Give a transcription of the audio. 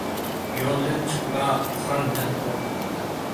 يولدىن چىقما، خاندىن قورقما.